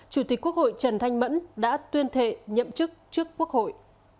chủ tịch quốc hội trần thanh mẫn đã tuyên thệ nhậm chức trước quốc hội